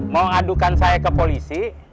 mau adukan saya ke polisi